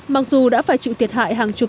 mặc dù đã phải chịu thiệt hại hàng chục